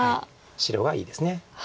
白がいいです。